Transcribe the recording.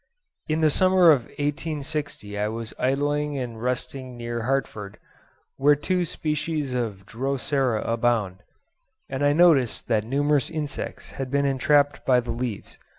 In the summer of 1860 I was idling and resting near Hartfield, where two species of Drosera abound; and I noticed that numerous insects had been entrapped by the leaves.